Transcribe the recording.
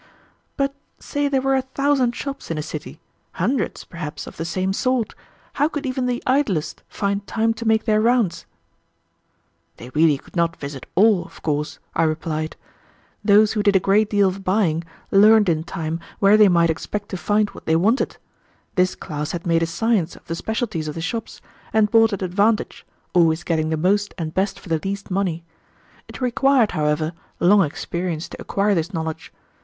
"But say there were a thousand shops in a city, hundreds, perhaps, of the same sort, how could even the idlest find time to make their rounds?" "They really could not visit all, of course," I replied. "Those who did a great deal of buying, learned in time where they might expect to find what they wanted. This class had made a science of the specialties of the shops, and bought at advantage, always getting the most and best for the least money. It required, however, long experience to acquire this knowledge.